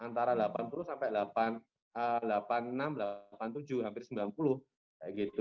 antara delapan puluh sampai delapan puluh enam delapan puluh tujuh hampir sembilan puluh kayak gitu